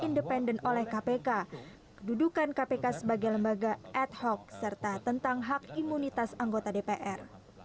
independen oleh kpk kedudukan kpk sebagai lembaga ad hoc serta tentang hak imunitas anggota dpr